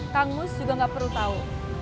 kang mus juga nggak perlu tahu